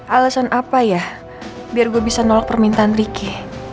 alasan apa ya biar gue bisa nolak permintaan ricky